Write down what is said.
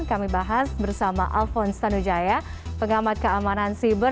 kami bahas bersama alphonse tanujaya pengamat keamanan siber